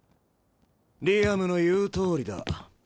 リアムの言うとおりだ。